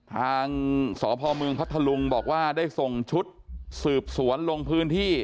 ทางสพเมืองพัทธลุงบอกว่าได้ส่งชุดสืบสวนลงพื้นที่